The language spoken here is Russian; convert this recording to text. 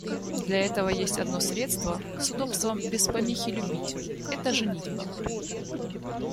Для этого есть одно средство с удобством без помехи любить — это женитьба.